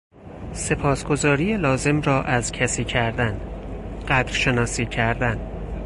سپاسگزاری لازم را از کسی کردن، قدرشناسی کردن